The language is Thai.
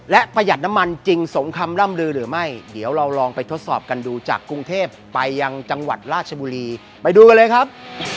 และประหยัดน้ำมันจริงสมคำร่ำลือหรือไม่เดี๋ยวเราลองไปทดสอบกันดูจากกรุงเทพไปยังจังหวัดราชบุรีไปดูกันเลยครับ